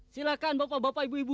silahkan bapak bapak ibu ibu